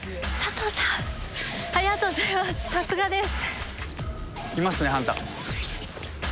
さすがです。